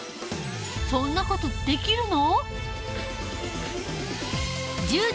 そんな事できるの？